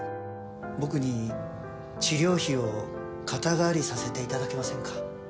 僕に治療費を肩代わりさせていただけませんか？